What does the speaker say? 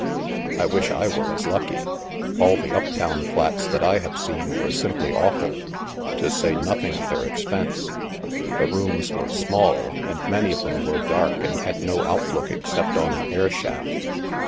" I wish I were as lucky. All the up town flats that I have seen were simply awful, to say nothing of their expense. The rooms were small, and many of them were dark and had no outlook except on an airshaft.